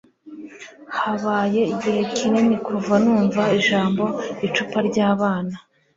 habaye igihe kinini kuva numva ijambo icupa ryabana